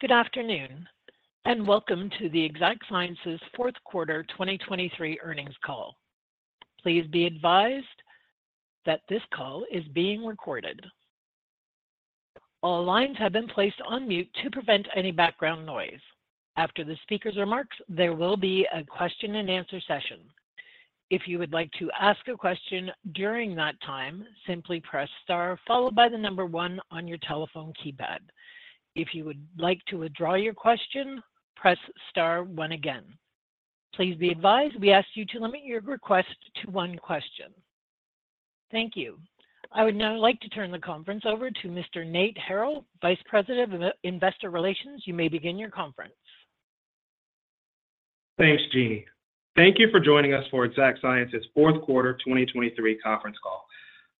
Good afternoon and welcome to the Exact Sciences fourth quarter 2023 Earnings Call. Please be advised that this call is being recorded. All lines have been placed on mute to prevent any background noise. After the speaker's remarks, there will be a question-and-answer session. If you would like to ask a question during that time, simply press star followed by the number 1 on your telephone keypad. If you would like to withdraw your question, press star 1 again. Please be advised we ask you to limit your request to one question. Thank you. I would now like to turn the conference over to Mr. Nathan Harrill, Vice President of Investor Relations. You may begin your conference. Thanks, Jeannie. Thank you for joining us for Exact Sciences fourth quarter 2023 conference call.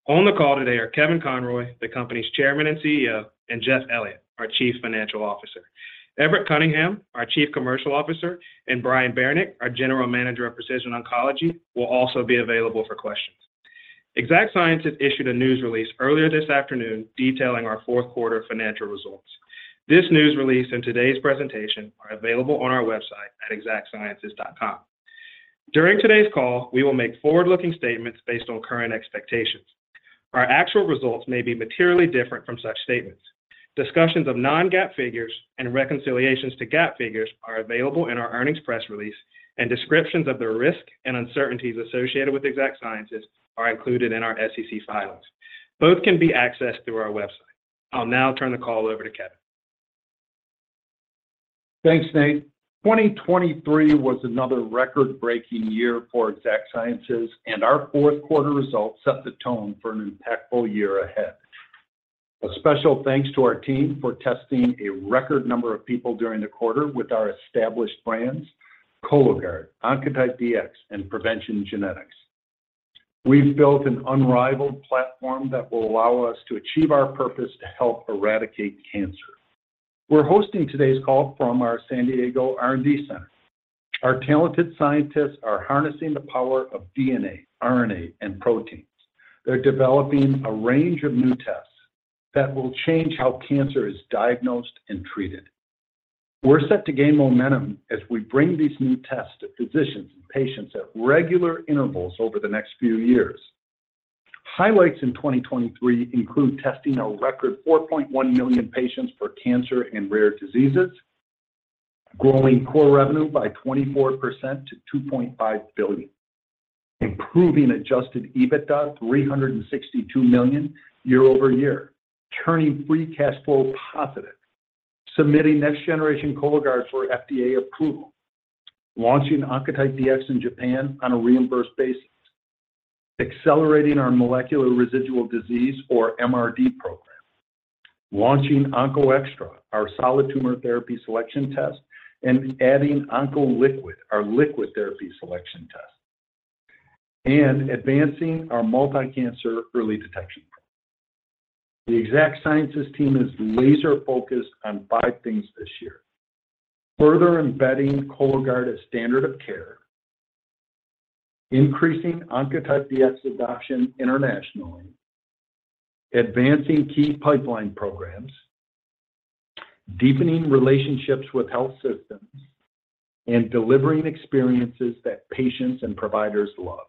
On the call today are Kevin Conroy, the company's Chairman and CEO, and Jeff Elliott, our Chief Financial Officer. Everett Cunningham, our Chief Commercial Officer, and Brian Baranick, our General Manager of Precision Oncology, will also be available for questions. Exact Sciences issued a news release earlier this afternoon detailing our fourth quarter financial results. This news release and today's presentation are available on our website at exactsciences.com. During today's call, we will make forward-looking statements based on current expectations. Our actual results may be materially different from such statements. Discussions of non-GAAP figures and reconciliations to GAAP figures are available in our earnings press release, and descriptions of the risk and uncertainties associated with Exact Sciences are included in our SEC filings. Both can be accessed through our website. I'll now turn the call over to Kevin. Thanks, Nate. 2023 was another record-breaking year for Exact Sciences, and our fourth quarter results set the tone for an impactful year ahead. A special thanks to our team for testing a record number of people during the quarter with our established brands, Cologuard, Oncotype DX, and PreventionGenetics. We've built an unrivaled platform that will allow us to achieve our purpose to help eradicate cancer. We're hosting today's call from our San Diego R&D Center. Our talented scientists are harnessing the power of DNA, RNA, and proteins. They're developing a range of new tests that will change how cancer is diagnosed and treated. We're set to gain momentum as we bring these new tests to physicians and patients at regular intervals over the next few years. Highlights in 2023 include testing a record 4.1 million patients for cancer and rare diseases, growing core revenue by 24% to $2.5 billion, improving Adjusted EBITDA $362 million year-over-year, turning free cash flow positive, submitting next-generation Cologuard for FDA approval, launching Oncotype DX in Japan on a reimbursed basis, accelerating our molecular residual disease, or MRD, program, launching OncoExTra, our solid tumor therapy selection test, and adding OncoLiquid, our liquid therapy selection test, and advancing our multi-cancer early detection program. The Exact Sciences team is laser-focused on five things this year: further embedding Cologuard as standard of care, increasing Oncotype DX adoption internationally, advancing key pipeline programs, deepening relationships with health systems, and delivering experiences that patients and providers love.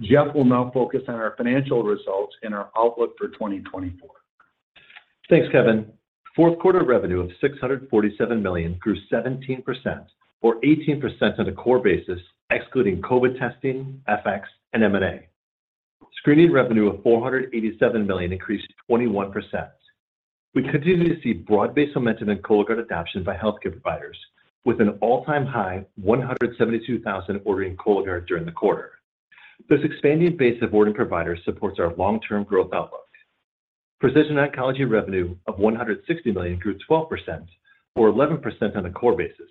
Jeff will now focus on our financial results and our outlook for 2024. Thanks, Kevin. Fourth quarter revenue of $647 million grew 17%, or 18% on a core basis, excluding COVID testing, FX, and M&A. Screening revenue of $487 million increased 21%. We continue to see broad-based momentum in Cologuard adoption by healthcare providers, with an all-time high 172,000 ordering Cologuard during the quarter. This expanding base of ordering providers supports our long-term growth outlook. Precision oncology revenue of $160 million grew 12%, or 11% on a core basis.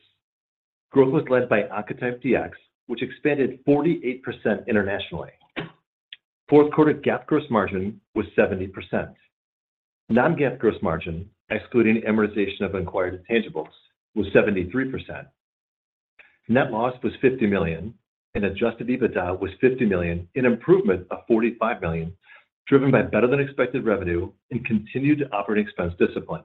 Growth was led by Oncotype DX, which expanded 48% internationally. Fourth quarter GAAP gross margin was 70%. Non-GAAP gross margin, excluding amortization of acquired intangibles, was 73%. Net loss was $50 million, and Adjusted EBITDA was $50 million, an improvement of $45 million, driven by better-than-expected revenue and continued operating expense discipline.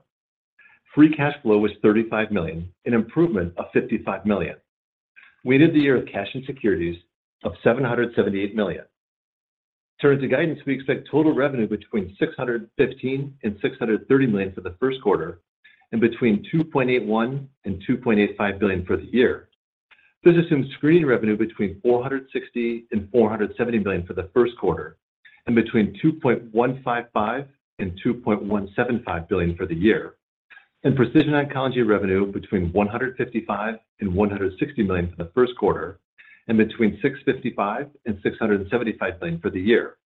Free cash flow was $35 million, an improvement of $55 million. We ended the year with cash and securities of $778 million. Turning to guidance, we expect total revenue between $615-$630 million for the first quarter and between $2.81-$2.85 billion for the year. This assumes screening revenue between $460-$470 million for the first quarter and between $2.155-$2.175 billion for the year, and precision oncology revenue between $155-$160 million for the first quarter and between $655-$675 million for the year.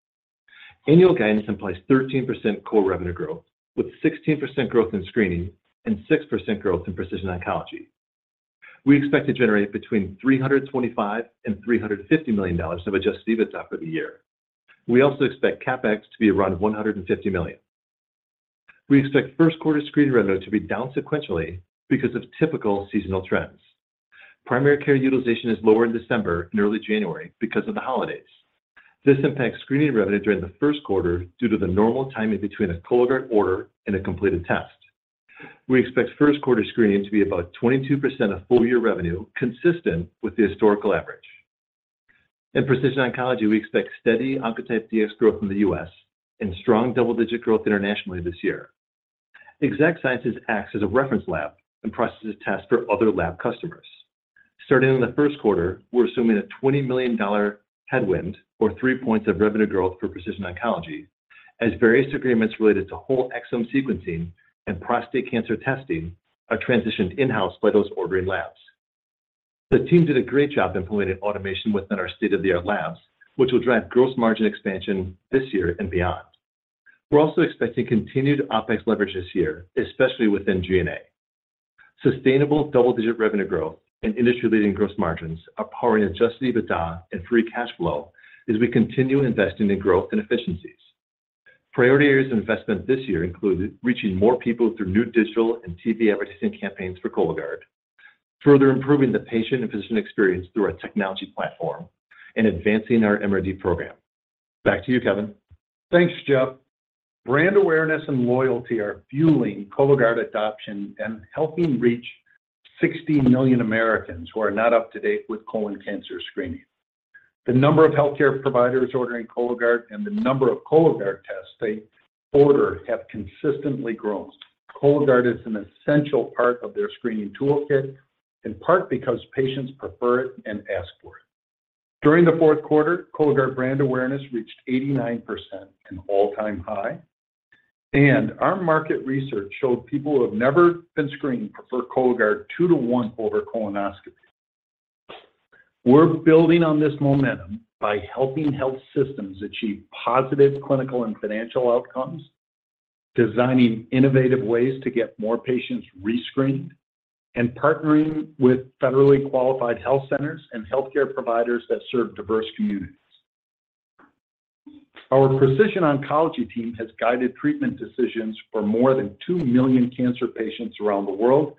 Annual guidance implies 13% core revenue growth, with 16% growth in screening and 6% growth in precision oncology. We expect to generate between $325-$350 million of Adjusted EBITDA for the year. We also expect CapEx to be around $150 million. We expect first-quarter screening revenue to be down sequentially because of typical seasonal trends. Primary care utilization is lower in December and early January because of the holidays. This impacts screening revenue during the first quarter due to the normal timing between a Cologuard order and a completed test. We expect first-quarter screening to be about 22% of full-year revenue, consistent with the historical average. In precision oncology, we expect steady Oncotype DX growth in the U.S. and strong double-digit growth internationally this year. Exact Sciences acts as a reference lab and processes tests for other lab customers. Starting in the first quarter, we're assuming a $20 million headwind, or three points of revenue growth, for precision oncology as various agreements related to whole exome sequencing and prostate cancer testing are transitioned in-house by those ordering labs. The team did a great job implementing automation within our state-of-the-art labs, which will drive gross margin expansion this year and beyond. We're also expecting continued OpEx leverage this year, especially within G&A. Sustainable double-digit revenue growth and industry-leading gross margins are powering Adjusted EBITDA and free cash flow as we continue investing in growth and efficiencies. Priority areas of investment this year include reaching more people through new digital and TV advertising campaigns for Cologuard, further improving the patient and physician experience through our technology platform, and advancing our MRD program. Back to you, Kevin. Thanks, Jeff. Brand awareness and loyalty are fueling Cologuard adoption and helping reach 60 million Americans who are not up to date with colon cancer screening. The number of healthcare providers ordering Cologuard and the number of Cologuard tests they order have consistently grown. Cologuard is an essential part of their screening toolkit, in part because patients prefer it and ask for it. During the fourth quarter, Cologuard brand awareness reached 89%, an all-time high, and our market research showed people who have never been screened prefer Cologuard 2 to 1 over colonoscopy. We're building on this momentum by helping health systems achieve positive clinical and financial outcomes, designing innovative ways to get more patients rescreened, and partnering with federally qualified health centers and healthcare providers that serve diverse communities. Our precision oncology team has guided treatment decisions for more than 2 million cancer patients around the world,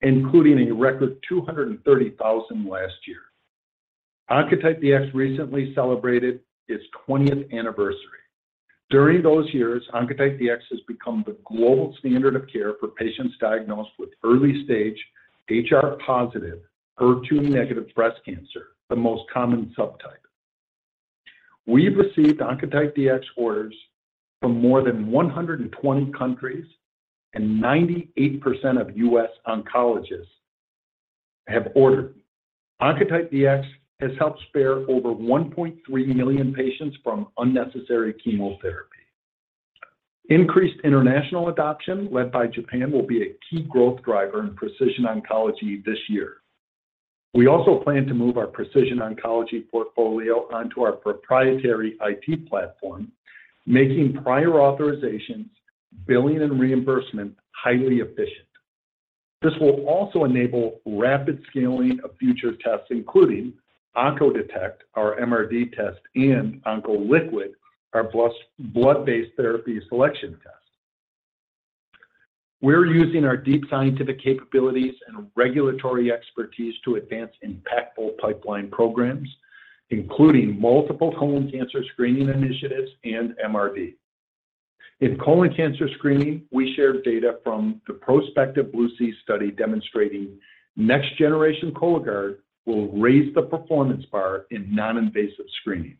including a record 230,000 last year. Oncotype DX recently celebrated its 20th anniversary. During those years, Oncotype DX has become the global standard of care for patients diagnosed with early-stage HR-positive, HER2-negative breast cancer, the most common subtype. We've received Oncotype DX orders from more than 120 countries, and 98% of U.S. oncologists have ordered them. Oncotype DX has helped spare over 1.3 million patients from unnecessary chemotherapy. Increased international adoption led by Japan will be a key growth driver in precision oncology this year. We also plan to move our precision oncology portfolio onto our proprietary IT platform, making prior authorizations, billing, and reimbursement highly efficient. This will also enable rapid scaling of future tests, including OncoDetect, our MRD test, and OncoLiquid, our blood-based therapy selection test. We're using our deep scientific capabilities and regulatory expertise to advance impactful pipeline programs, including multiple colon cancer screening initiatives and MRD. In colon cancer screening, we shared data from the prospective BLUE-C study demonstrating next-generation Cologuard will raise the performance bar in non-invasive screening.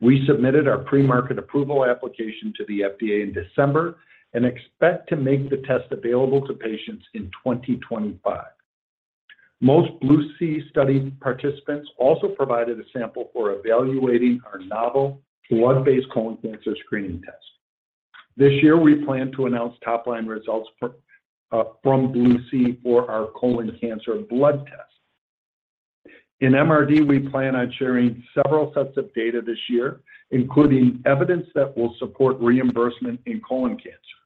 We submitted our pre-market approval application to the FDA in December and expect to make the test available to patients in 2025. Most BLUE-C study participants also provided a sample for evaluating our novel blood-based colon cancer screening test. This year, we plan to announce top-line results from BLUE-C for our colon cancer blood test. In MRD, we plan on sharing several sets of data this year, including evidence that will support reimbursement in colon cancer.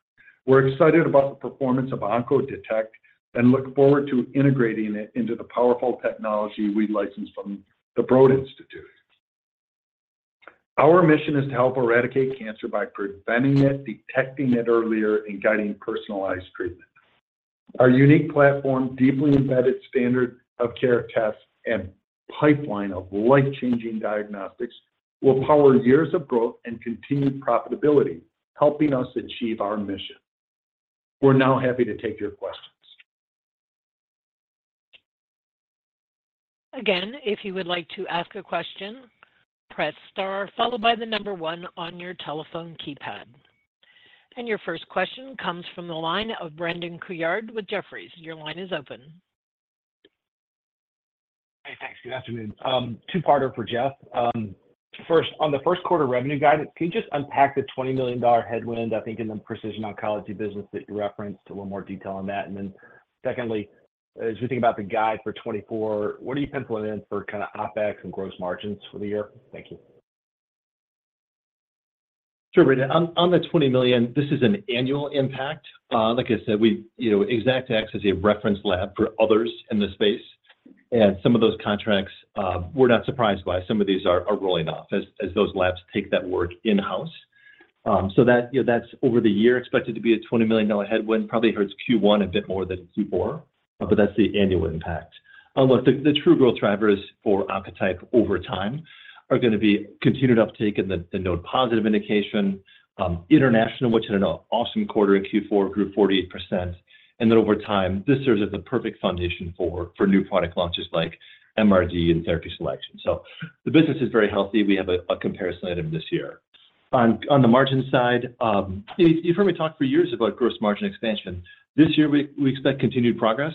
We're excited about the performance of OncoDetect and look forward to integrating it into the powerful technology we license from the Broad Institute. Our mission is to help eradicate cancer by preventing it, detecting it earlier, and guiding personalized treatment. Our unique platform, deeply embedded standard of care tests, and pipeline of life-changing diagnostics will power years of growth and continued profitability, helping us achieve our mission. We're now happy to take your questions. Again, if you would like to ask a question, press star, followed by the number 1 on your telephone keypad. Your first question comes from the line of Brandon Couillard with Jefferies. Your line is open. Hey, thanks. Good afternoon. Two-parter for Jeff. First, on the first-quarter revenue guidance, can you just unpack the $20 million headwind, I think, in the precision oncology business that you referenced? A little more detail on that. And then secondly, as we think about the guide for 2024, what are you penciling in for kind of OpEx and gross margins for the year? Thank you. Sure, Brandon. On the $20 million, this is an annual impact. Like I said, Exact Sciences is a reference lab for others in the space, and some of those contracts we're not surprised by. Some of these are rolling off as those labs take that work in-house. So that's over the year expected to be a $20 million headwind. Probably hurts Q1 a bit more than Q4, but that's the annual impact. Look, the true growth drivers for Oncotype over time are going to be continued uptake in the node-positive indication, international, which had an awesome quarter in Q4, grew 48%. And then over time, this serves as the perfect foundation for new product launches like MRD and therapy selection. So the business is very healthy. We have a comparison item this year. On the margin side, you've heard me talk for years about gross margin expansion. This year, we expect continued progress.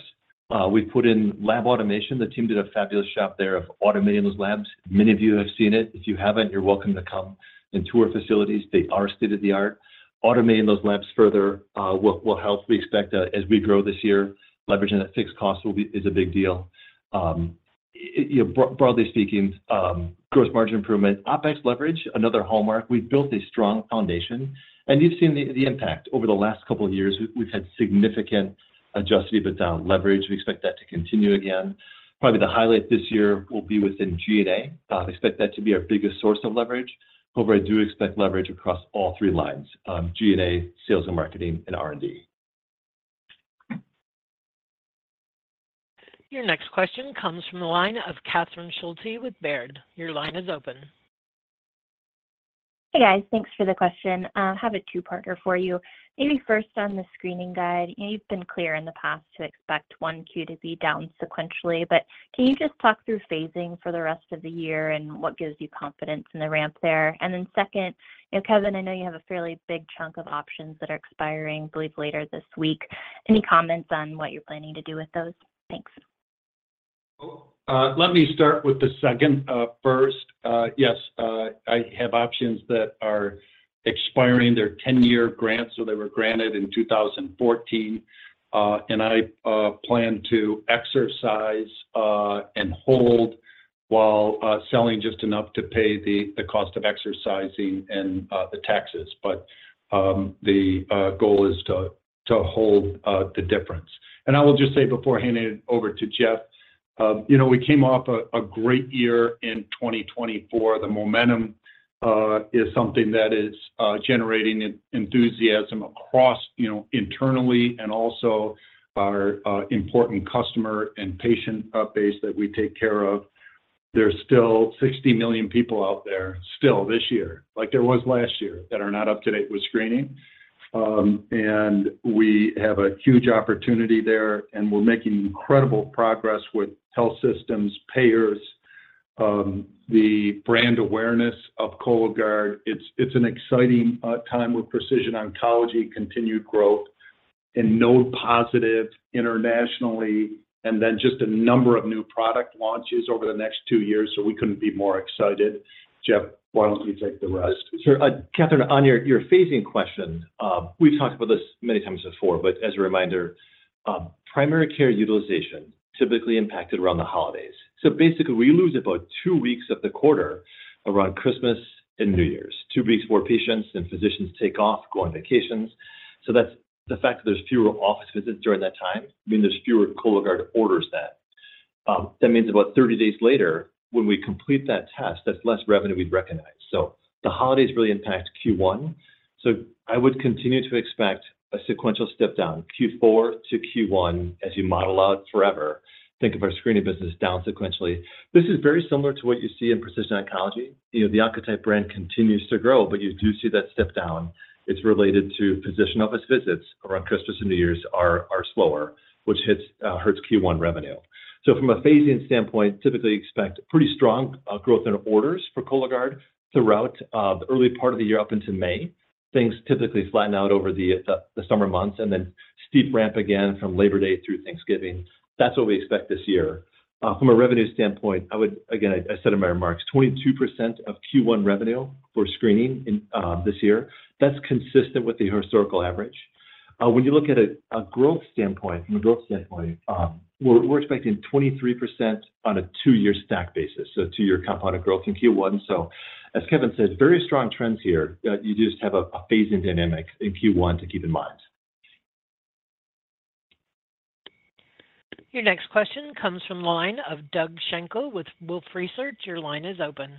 We've put in lab automation. The team did a fabulous job there of automating those labs. Many of you have seen it. If you haven't, you're welcome to come and tour facilities. They are state-of-the-art. Automating those labs further will help. We expect, as we grow this year, leveraging that fixed cost is a big deal. Broadly speaking, gross margin improvement, OpEx leverage, another hallmark. We've built a strong foundation, and you've seen the impact. Over the last couple of years, we've had significant Adjusted EBITDA leverage. We expect that to continue again. Probably the highlight this year will be within G&A. I expect that to be our biggest source of leverage. However, I do expect leverage across all three lines: G&A, sales and marketing, and R&D. Your next question comes from the line of Catherine Schulte with Baird. Your line is open. Hey, guys. Thanks for the question. I have a 2-parter for you. Maybe first, on the screening guide, you've been clear in the past to expect 1 Q to be down sequentially, but can you just talk through phasing for the rest of the year and what gives you confidence in the ramp there? And then second, Kevin, I know you have a fairly big chunk of options that are expiring, I believe, later this week. Any comments on what you're planning to do with those? Thanks. Let me start with the second first. Yes, I have options that are expiring. They're 10-year grants, so they were granted in 2014. And I plan to exercise and hold while selling just enough to pay the cost of exercising and the taxes. But the goal is to hold the difference. And I will just say beforehand, hand it over to Jeff. We came off a great year in 2024. The momentum is something that is generating enthusiasm internally and also our important customer and patient base that we take care of. There's still 60 million people out there, still, this year, like there was last year, that are not up to date with screening. And we have a huge opportunity there, and we're making incredible progress with health systems, payers, the brand awareness of Cologuard. It's an exciting time with precision oncology, continued growth, and node-positive internationally, and then just a number of new product launches over the next two years, so we couldn't be more excited. Jeff, why don't you take the rest? Sure. Catherine, on your phasing question, we've talked about this many times before, but as a reminder, primary care utilization typically impacted around the holidays. So basically, we lose about two weeks of the quarter around Christmas and New Year's, two weeks before patients and physicians take off going on vacations. So the fact that there's fewer office visits during that time means there's fewer Cologuard orders then. That means about 30 days later, when we complete that test, that's less revenue we'd recognize. So the holidays really impact Q1. So I would continue to expect a sequential step down, Q4 to Q1, as you model out forever. Think of our screening business down sequentially. This is very similar to what you see in precision oncology. The Oncotype brand continues to grow, but you do see that step down. It's related to physician office visits around Christmas and New Year's, which are slower, which hurts Q1 revenue. So from a phasing standpoint, typically, expect pretty strong growth in orders for Cologuard throughout the early part of the year up until May. Things typically flatten out over the summer months and then steep ramp again from Labor Day through Thanksgiving. That's what we expect this year. From a revenue standpoint, again, I said in my remarks, 22% of Q1 revenue for screening this year. That's consistent with the historical average. When you look at a growth standpoint, from a growth standpoint, we're expecting 23% on a two-year stack basis, so two-year compounded growth in Q1. So as Kevin said, very strong trends here. You just have a phasing dynamic in Q1 to keep in mind. Your next question comes from the line of Doug Schenkel with Wolfe Research. Your line is open.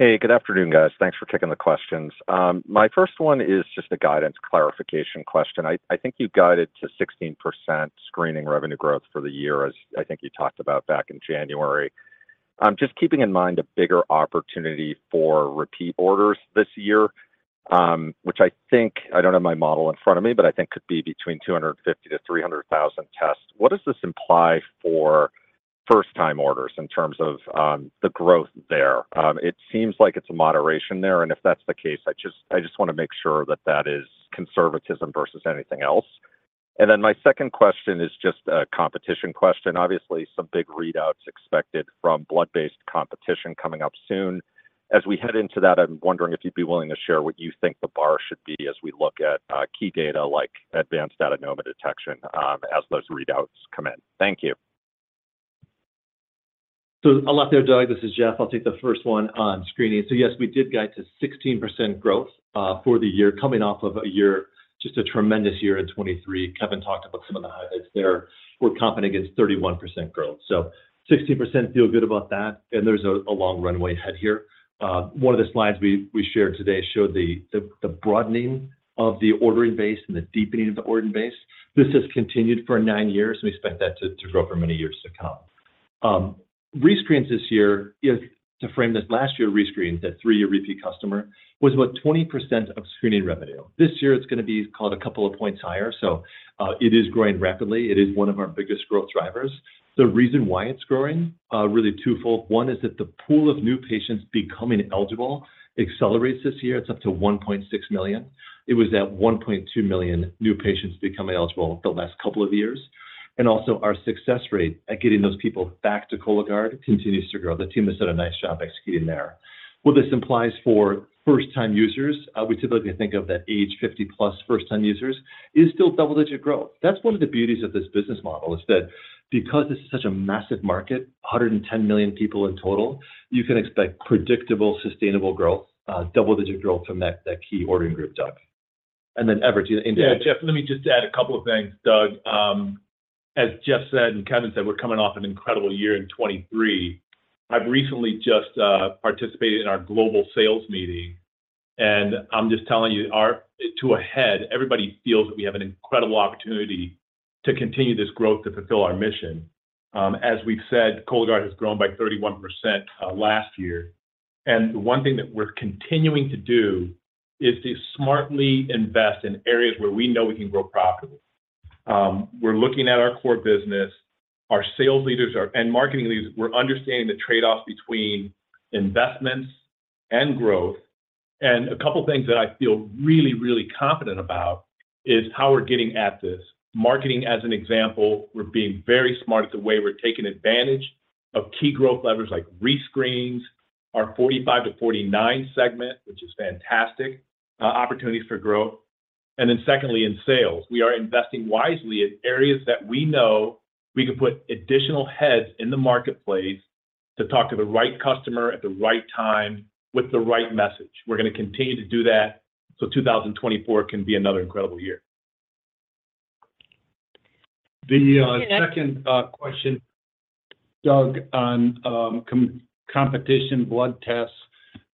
Hey, good afternoon, guys. Thanks for kicking the questions. My first one is just a guidance clarification question. I think you guided to 16% screening revenue growth for the year, as I think you talked about back in January. Just keeping in mind a bigger opportunity for repeat orders this year, which I think I don't have my model in front of me, but I think could be between 250,000-300,000 tests. What does this imply for first-time orders in terms of the growth there? It seems like it's a moderation there. And if that's the case, I just want to make sure that that is conservatism versus anything else. And then my second question is just a competition question. Obviously, some big readouts expected from blood-based competition coming up soon. As we head into that, I'm wondering if you'd be willing to share what you think the bar should be as we look at key data like advanced adenoma detection as those readouts come in. Thank you. So, I'll take that, Doug. This is Jeff. I'll take the first one on screening. So yes, we did guide to 16% growth for the year, coming off of a tremendous year in 2023. Kevin talked about some of the highlights there. We came in at 31% growth. So 16%, feel good about that. And there's a long runway ahead here. One of the slides we shared today showed the broadening of the ordering base and the deepening of the ordering base. This has continued for nine years, and we expect that to grow for many years to come. Rescreens this year, to frame this, last year rescreens, that three-year repeat customer, was about 20% of screening revenue. This year, it's going to be called a couple of points higher. So it is growing rapidly. It is one of our biggest growth drivers. The reason why it's growing, really twofold. One is that the pool of new patients becoming eligible accelerates this year. It's up to 1.6 million. It was at 1.2 million new patients becoming eligible the last couple of years. And also, our success rate at getting those people back to Cologuard continues to grow. The team has done a nice job executing there. What this implies for first-time users, we typically think of that age 50-plus first-time users, is still double-digit growth. That's one of the beauties of this business model, is that because this is such a massive market, 110 million people in total, you can expect predictable, sustainable growth, double-digit growth from that key ordering group, Doug. And then average. Yeah, Jeff, let me just add a couple of things, Doug. As Jeff said and Kevin said, we're coming off an incredible year in 2023. I've recently just participated in our global sales meeting, and I'm just telling you, everybody feels that we have an incredible opportunity to continue this growth to fulfill our mission. As we've said, Cologuard has grown by 31% last year. And the one thing that we're continuing to do is to smartly invest in areas where we know we can grow profitably. We're looking at our core business. Our sales leaders and marketing leaders, we're understanding the trade-offs between investments and growth. And a couple of things that I feel really, really confident about is how we're getting at this. Marketing, as an example, we're being very smart at the way we're taking advantage of key growth levers like rescreens, our 45-49 segment, which is fantastic, opportunities for growth. Then secondly, in sales, we are investing wisely in areas that we know we can put additional heads in the marketplace to talk to the right customer at the right time with the right message. We're going to continue to do that so 2024 can be another incredible year. The second question, Doug, on competition, blood tests,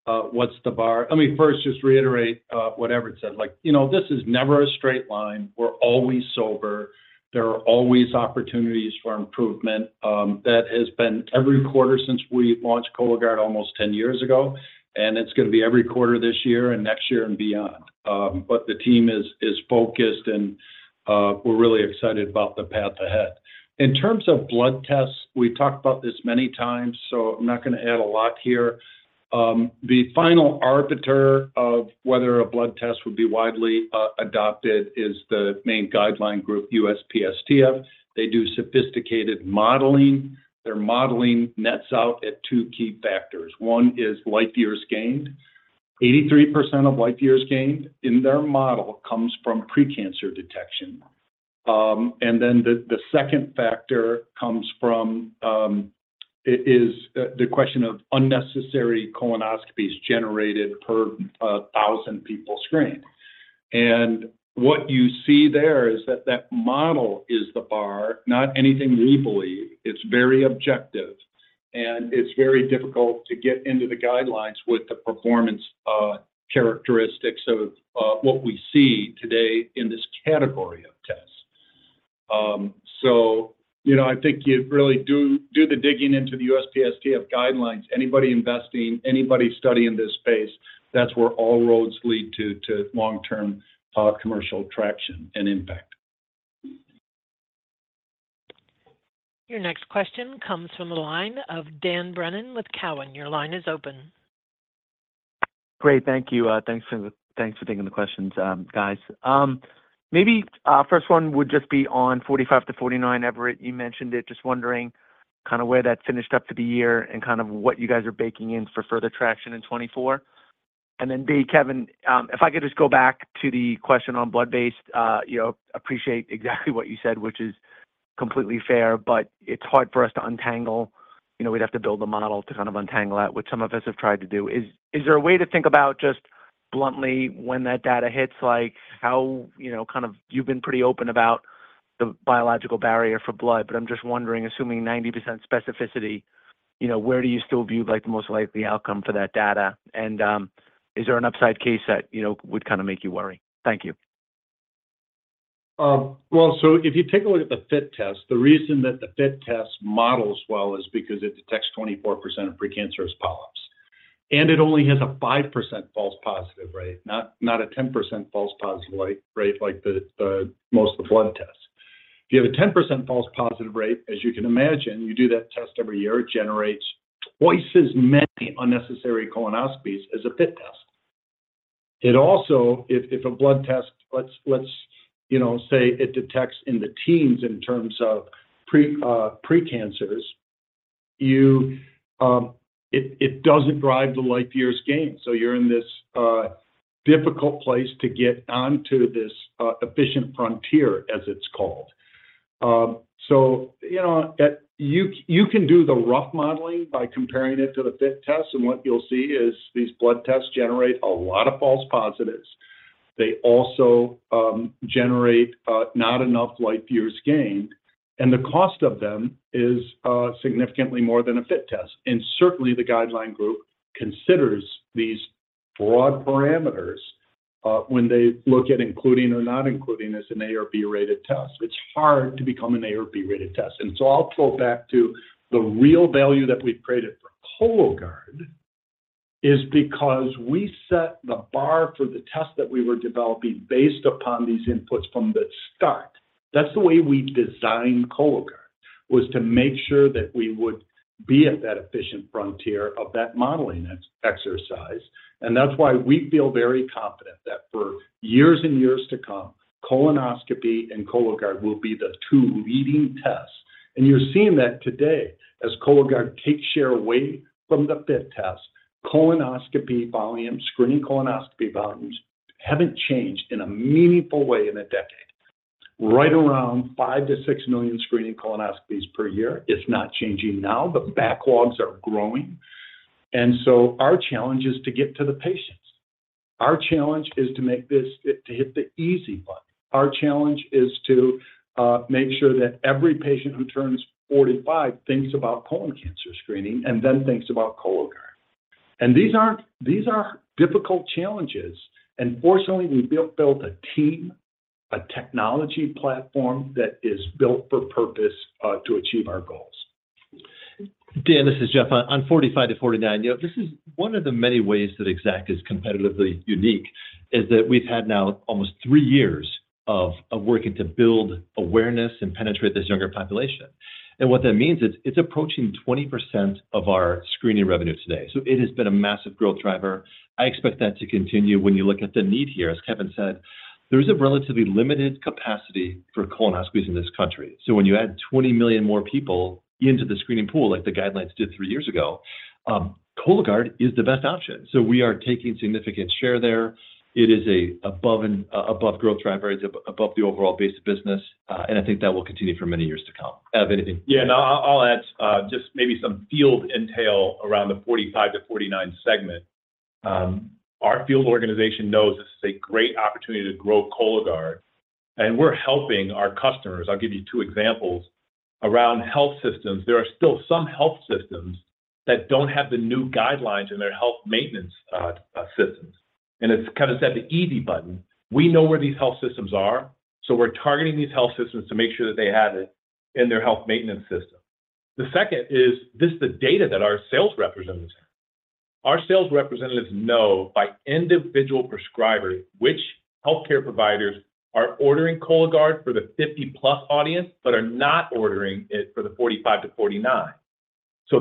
what's the bar? Let me first just reiterate what Everett said. This is never a straight line. We're always sober. There are always opportunities for improvement. That has been every quarter since we launched Cologuard almost 10 years ago, and it's going to be every quarter this year and next year and beyond. But the team is focused, and we're really excited about the path ahead. In terms of blood tests, we talked about this many times, so I'm not going to add a lot here. The final arbiter of whether a blood test would be widely adopted is the main guideline group, USPSTF. They do sophisticated modeling. Their modeling nets out at two key factors. One is life years gained. 83% of life years gained in their model comes from precancer detection. Then the second factor comes from the question of unnecessary colonoscopies generated per 1,000 people screened. What you see there is that that model is the bar, not anything we believe. It's very objective, and it's very difficult to get into the guidelines with the performance characteristics of what we see today in this category of tests. I think you'd really do the digging into the USPSTF guidelines. Anybody investing, anybody studying this space, that's where all roads lead to long-term commercial traction and impact. Your next question comes from the line of Dan Brennan with Cowen. Your line is open. Great. Thank you. Thanks for taking the questions, guys. Maybe first one would just be on 45-49, Everett. You mentioned it, just wondering kind of where that finished up for the year and kind of what you guys are baking in for further traction in 2024. And then B, Kevin, if I could just go back to the question on blood-based, appreciate exactly what you said, which is completely fair, but it's hard for us to untangle. We'd have to build a model to kind of untangle that, which some of us have tried to do. Is there a way to think about just bluntly when that data hits, how kind of you've been pretty open about the biological barrier for blood, but I'm just wondering, assuming 90% specificity, where do you still view the most likely outcome for that data? Is there an upside case that would kind of make you worry? Thank you. Well, so if you take a look at the FIT test, the reason that the FIT test models well is because it detects 24% of precancerous polyps. And it only has a 5% false positive rate, not a 10% false positive rate like most of the blood tests. If you have a 10% false positive rate, as you can imagine, you do that test every year. It generates twice as many unnecessary colonoscopies as a FIT test. If a blood test, let's say, it detects in the teens in terms of precancers, it doesn't drive the life years gain. So you're in this difficult place to get onto this efficient frontier, as it's called. So you can do the rough modeling by comparing it to the FIT test, and what you'll see is these blood tests generate a lot of false positives. They also generate not enough life years gained, and the cost of them is significantly more than a FIT test. Certainly, the guideline group considers these broad parameters when they look at including or not including as an A/B-rated test. It's hard to become an A/B-rated test. So I'll pull back to the real value that we've created for Cologuard is because we set the bar for the test that we were developing based upon these inputs from the start. That's the way we designed Cologuard, was to make sure that we would be at that efficient frontier of that modeling exercise. And that's why we feel very confident that for years and years to come, colonoscopy and Cologuard will be the two leading tests. And you're seeing that today as Cologuard takes share away from the FIT test. Colonoscopy volumes, screening colonoscopy volumes haven't changed in a meaningful way in a decade. Right around 5-6 million screening colonoscopies per year. It's not changing now. The backlogs are growing. And so our challenge is to get to the patients. Our challenge is to make this to hit the easy button. Our challenge is to make sure that every patient who turns 45 thinks about colon cancer screening and then thinks about Cologuard. And these are difficult challenges. And fortunately, we built a team, a technology platform that is built for purpose to achieve our goals. Dan, this is Jeff on 45-49. This is one of the many ways that Exact is competitively unique, is that we've had now almost three years of working to build awareness and penetrate this younger population. And what that means, it's approaching 20% of our screening revenue today. So it has been a massive growth driver. I expect that to continue. When you look at the need here, as Kevin said, there is a relatively limited capacity for colonoscopies in this country. So when you add 20 million more people into the screening pool like the guidelines did three years ago, Cologuard is the best option. So we are taking significant share there. It is above growth drivers, above the overall base of business. And I think that will continue for many years to come. Ev, anything? Yeah. And I'll add just maybe some field intel around the 45-49 segment. Our field organization knows this is a great opportunity to grow Cologuard, and we're helping our customers. I'll give you two examples. Around health systems, there are still some health systems that don't have the new guidelines in their health maintenance systems. And it's kind of the easy button. We know where these health systems are, so we're targeting these health systems to make sure that they have it in their health maintenance system. The second is this is the data that our sales representatives have. Our sales representatives know by individual prescriber which healthcare providers are ordering Cologuard for the 50-plus audience but are not ordering it for the 45-49.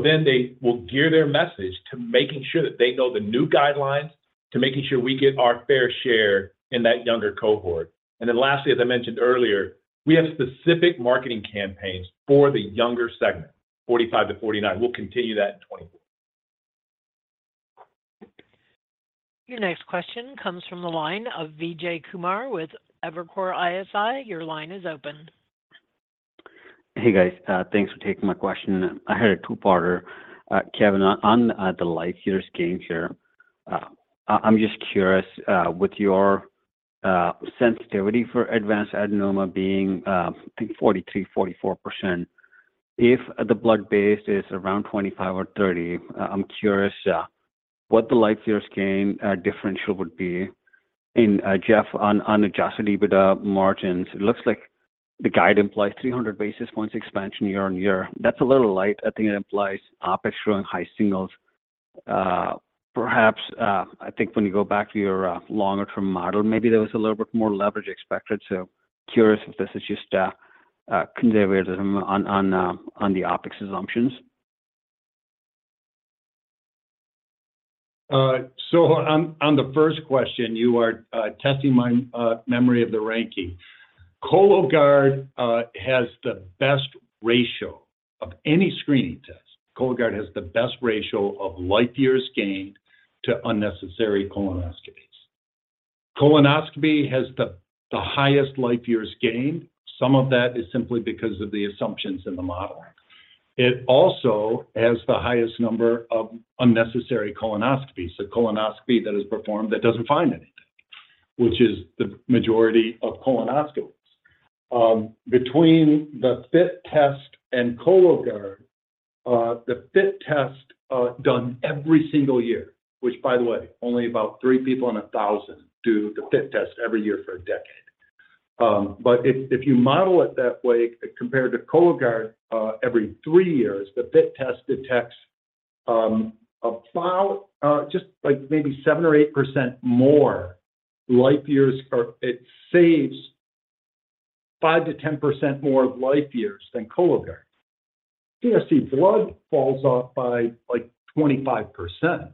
Then they will gear their message to making sure that they know the new guidelines, to making sure we get our fair share in that younger cohort. Then lastly, as I mentioned earlier, we have specific marketing campaigns for the younger segment, 45-49. We'll continue that in 2024. Your next question comes from the line of Vijay Kumar with Evercore ISI. Your line is open. Hey, guys. Thanks for taking my question. I heard a two-parter. Kevin, on the life years gain here, I'm just curious, with your sensitivity for advanced adenoma being, I think, 43%-44%, if the blood-based is around 25 or 30, I'm curious what the life years gain differential would be. And Jeff, on the Adjusted EBITDA margins, it looks like the guide implies 300 basis points expansion year-over-year. That's a little light. I think it implies OpEx showing high singles. Perhaps, I think when you go back to your longer-term model, maybe there was a little bit more leverage expected. So curious if this is just conservatism on the OpEx assumptions. So on the first question, you are testing my memory of the ranking. Cologuard has the best ratio of any screening test. Cologuard has the best ratio of life years gained to unnecessary colonoscopies. Colonoscopy has the highest life years gained. Some of that is simply because of the assumptions in the model. It also has the highest number of unnecessary colonoscopies, a colonoscopy that is performed that doesn't find anything, which is the majority of colonoscopies. Between the FIT test and Cologuard, the FIT test done every single year, which, by the way, only about 3 people in 1,000 do the FIT test every year for a decade. But if you model it that way, compared to Cologuard, every 3 years, the FIT test detects just maybe 7 or 8% more life years. It saves 5%-10% more life years than Cologuard. CRC blood falls off by 25%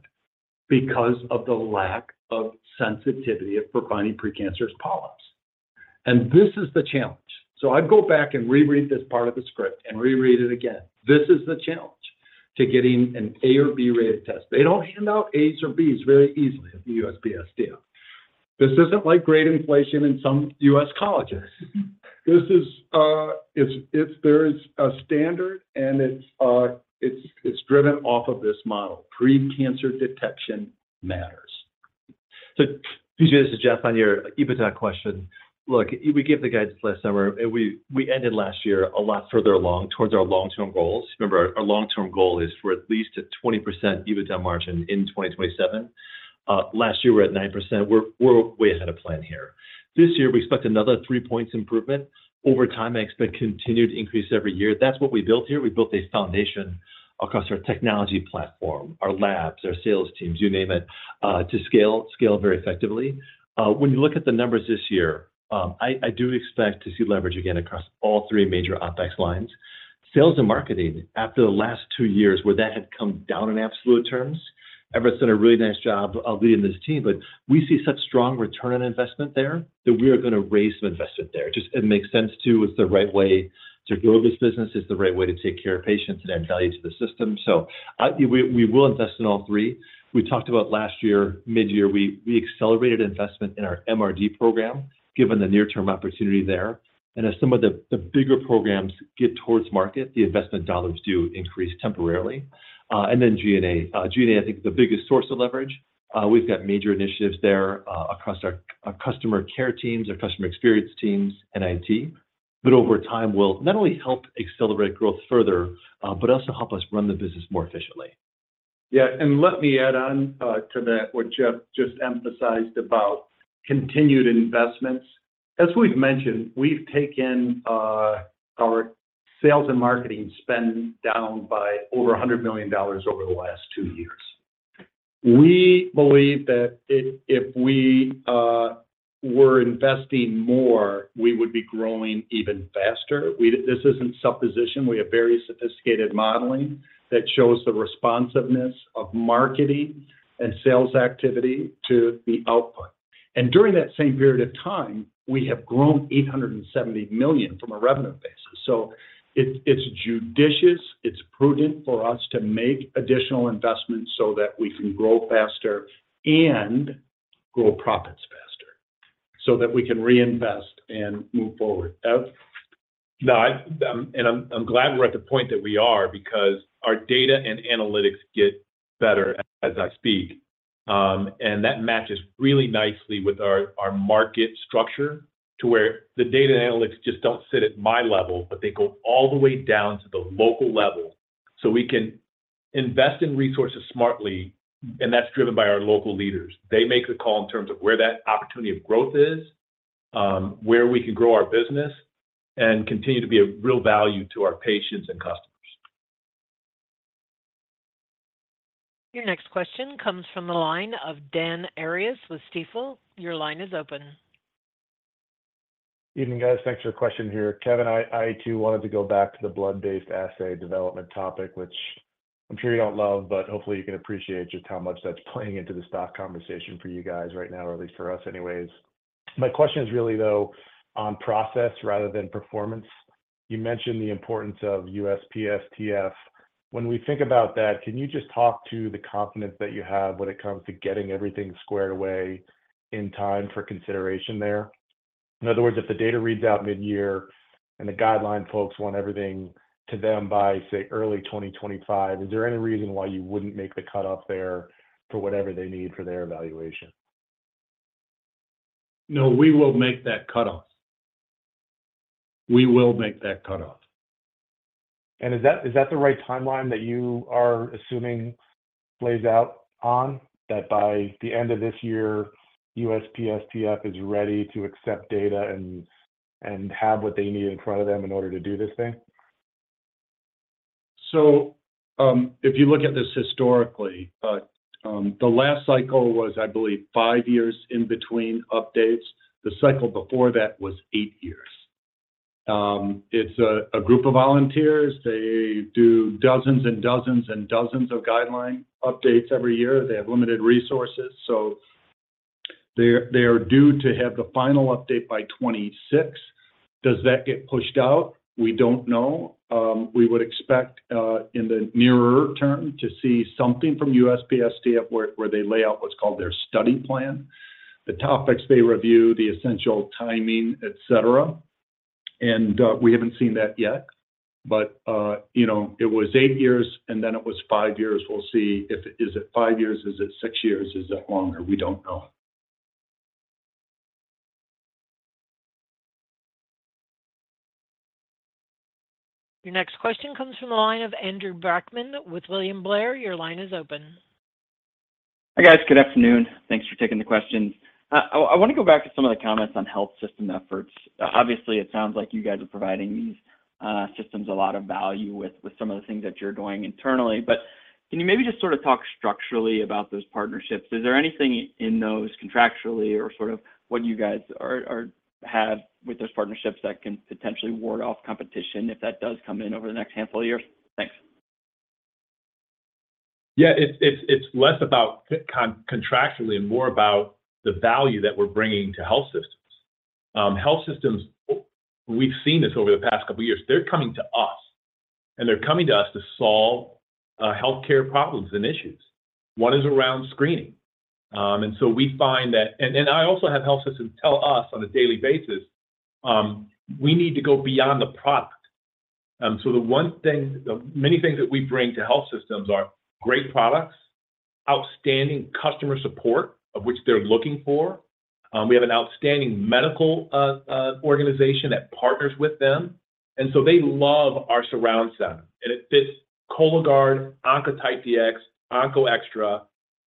because of the lack of sensitivity for finding precancerous polyps. This is the challenge. I'd go back and reread this part of the script and reread it again. This is the challenge to getting an A or B-rated test. They don't hand out A's or B's very easily at the USPSTF. This isn't like grade inflation in some U.S. colleges. There is a standard, and it's driven off of this model. Precancer detection matters. So Vijay, this is Jeff on your EBITDA question. Look, we gave the guides last summer, and we ended last year a lot further along towards our long-term goals. Remember, our long-term goal is for at least a 20% EBITDA margin in 2027. Last year, we're at 9%. We're way ahead of plan here. This year, we expect another 3-point improvement. Over time, I expect continued increase every year. That's what we built here. We built a foundation across our technology platform, our labs, our sales teams, you name it, to scale very effectively. When you look at the numbers this year, I do expect to see leverage again across all three major OpEx lines. Sales and marketing, after the last two years where that had come down in absolute terms, Everett's done a really nice job leading this team, but we see such strong return on investment there that we are going to raise some investment there. It makes sense too. It's the right way to grow this business. It's the right way to take care of patients and add value to the system. So we will invest in all three. We talked about last year, mid-year, we accelerated investment in our MRD program given the near-term opportunity there. And as some of the bigger programs get towards market, the investment dollars do increase temporarily. And then G&A. G&A, I think, is the biggest source of leverage. We've got major initiatives there across our customer care teams, our customer experience teams, and IT. But over time, we'll not only help accelerate growth further but also help us run the business more efficiently. Yeah. And let me add on to that, what Jeff just emphasized about continued investments. As we've mentioned, we've taken our sales and marketing spend down by over $100 million over the last 2 years. We believe that if we were investing more, we would be growing even faster. This isn't supposition. We have very sophisticated modeling that shows the responsiveness of marketing and sales activity to the output. And during that same period of time, we have grown $870 million from a revenue basis. So it's judicious. It's prudent for us to make additional investments so that we can grow faster and grow profits faster so that we can reinvest and move forward. Ev? No. I'm glad we're at the point that we are because our data and analytics get better as I speak. That matches really nicely with our market structure to where the data and analytics just don't sit at my level, but they go all the way down to the local level so we can invest in resources smartly, and that's driven by our local leaders. They make the call in terms of where that opportunity of growth is, where we can grow our business, and continue to be of real value to our patients and customers. Your next question comes from the line of Dan Arias with Stifel. Your line is open. Evening, guys. Thanks for your question here. Kevin, I too wanted to go back to the blood-based assay development topic, which I'm sure you don't love, but hopefully, you can appreciate just how much that's playing into this stock conversation for you guys right now, or at least for us anyways. My question is really, though, on process rather than performance. You mentioned the importance of USPSTF. When we think about that, can you just talk to the confidence that you have when it comes to getting everything squared away in time for consideration there? In other words, if the data reads out mid-year and the guideline folks want everything to them by, say, early 2025, is there any reason why you wouldn't make the cutoff there for whatever they need for their evaluation? No, we will make that cutoff. We will make that cutoff. Is that the right timeline that you are assuming plays out on, that by the end of this year, USPSTF is ready to accept data and have what they need in front of them in order to do this thing? So if you look at this historically, the last cycle was, I believe, 5 years in between updates. The cycle before that was 8 years. It's a group of volunteers. They do dozens and dozens and dozens of guideline updates every year. They have limited resources. So they are due to have the final update by 2026. Does that get pushed out? We don't know. We would expect in the nearer term to see something from USPSTF where they lay out what's called their study plan, the topics they review, the essential timing, etc. And we haven't seen that yet. But it was 8 years, and then it was 5 years. We'll see if it is at 5 years. Is it 6 years? Is it longer? We don't know. Your next question comes from the line of Andrew Brackmann with William Blair. Your line is open. Hi, guys. Good afternoon. Thanks for taking the question. I want to go back to some of the comments on health system efforts. Obviously, it sounds like you guys are providing these systems a lot of value with some of the things that you're doing internally. But can you maybe just sort of talk structurally about those partnerships? Is there anything in those contractually or sort of what you guys have with those partnerships that can potentially ward off competition if that does come in over the next handful of years? Thanks. Yeah. It's less about contractually and more about the value that we're bringing to health systems. We've seen this over the past couple of years. They're coming to us, and they're coming to us to solve healthcare problems and issues. One is around screening. And so we find that and I also have health systems tell us on a daily basis, "We need to go beyond the product." So many things that we bring to health systems are great products, outstanding customer support of which they're looking for. We have an outstanding medical organization that partners with them. And so they love our surround sound. And it fits Cologuard, Oncotype DX, OncoExTra.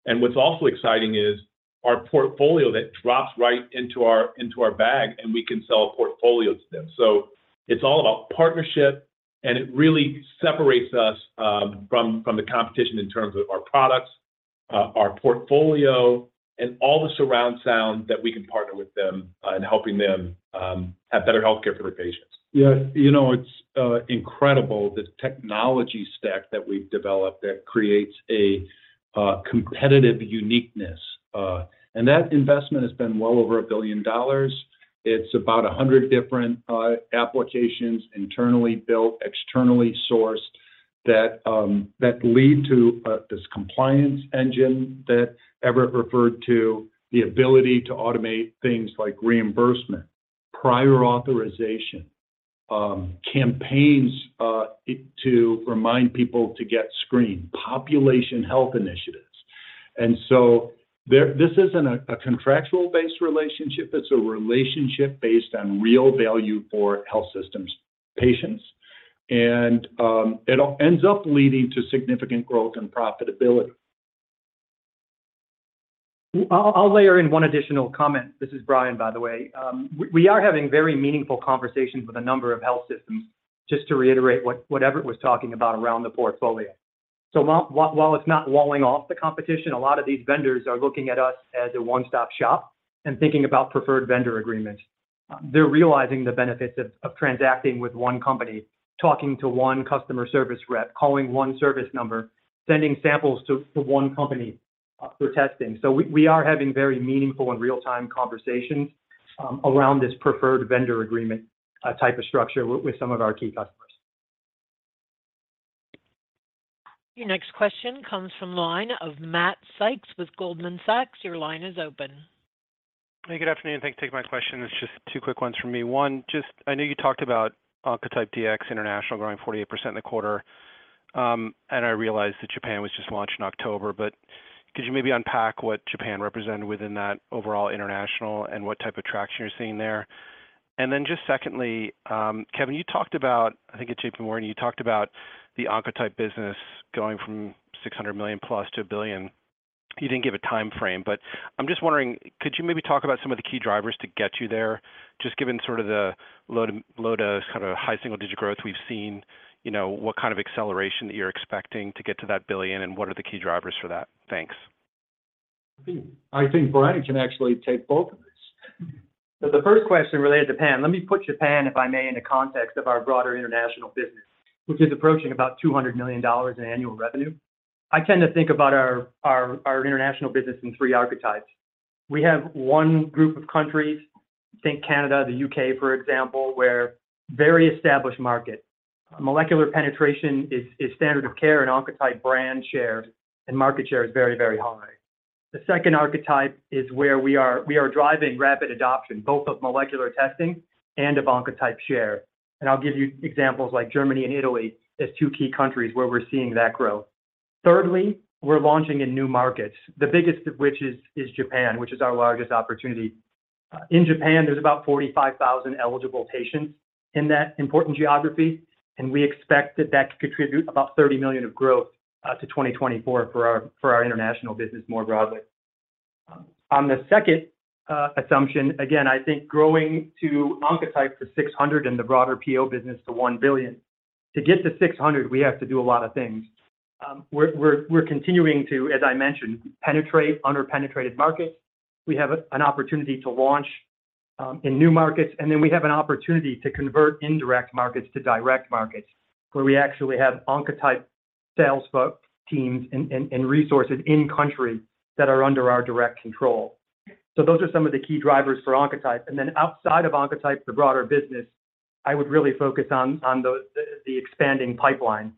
And what's also exciting is our portfolio that drops right into our bag, and we can sell a portfolio to them. It's all about partnership, and it really separates us from the competition in terms of our products, our portfolio, and all the surround sound that we can partner with them in helping them have better healthcare for their patients. Yeah. It's incredible, the technology stack that we've developed that creates a competitive uniqueness. That investment has been well over $1 billion. It's about 100 different applications internally built, externally sourced that lead to this compliance engine that Everett referred to, the ability to automate things like reimbursement, prior authorization, campaigns to remind people to get screened, population health initiatives. And so this isn't a contractual-based relationship. It's a relationship based on real value for health systems patients. And it ends up leading to significant growth and profitability. I'll layer in one additional comment. This is Brian, by the way. We are having very meaningful conversations with a number of health systems, just to reiterate what Everett was talking about around the portfolio. So while it's not walling off the competition, a lot of these vendors are looking at us as a one-stop shop and thinking about preferred vendor agreements. They're realizing the benefits of transacting with one company, talking to one customer service rep, calling one service number, sending samples to one company for testing. So we are having very meaningful and real-time conversations around this preferred vendor agreement type of structure with some of our key customers. Your next question comes from the line of Matt Sykes with Goldman Sachs. Your line is open. Hey, good afternoon. Thanks for taking my question. It's just two quick ones from me. One, I know you talked about Oncotype DX International growing 48% in the quarter. And I realize that Japan was just launched in October. But could you maybe unpack what Japan represented within that overall international and what type of traction you're seeing there? And then just secondly, Kevin, you talked about I think it's J.P. Morgan. You talked about the Oncotype business going from $600 million+ to $1 billion. You didn't give a timeframe. But I'm just wondering, could you maybe talk about some of the key drivers to get you there? Just given sort of the low to kind of high single-digit growth we've seen, what kind of acceleration that you're expecting to get to that $1 billion, and what are the key drivers for that? Thanks. I think Brian can actually take both of these. So the first question related to Japan. Let me put Japan, if I may, in the context of our broader international business, which is approaching about $200 million in annual revenue. I tend to think about our international business in three archetypes. We have one group of countries, think Canada, the U.K., for example, where very established market. Molecular penetration is standard of care and Oncotype brand share, and market share is very, very high. The second archetype is where we are driving rapid adoption, both of molecular testing and of Oncotype share. And I'll give you examples like Germany and Italy as two key countries where we're seeing that growth. Thirdly, we're launching in new markets, the biggest of which is Japan, which is our largest opportunity. In Japan, there's about 45,000 eligible patients in that important geography. And we expect that that could contribute about $30 million of growth to 2024 for our international business more broadly. On the second assumption, again, I think growing to Oncotype to 600 and the broader PO business to $1 billion, to get to 600, we have to do a lot of things. We're continuing to, as I mentioned, penetrate under-penetrated markets. We have an opportunity to launch in new markets. And then we have an opportunity to convert indirect markets to direct markets where we actually have Oncotype sales teams and resources in-country that are under our direct control. So those are some of the key drivers for Oncotype. And then outside of Oncotype, the broader business, I would really focus on the expanding pipeline.